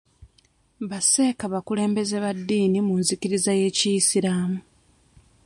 Ba sseeka bakulembeze ba ddiini mu nzikiriza y'ekiyisiraamu.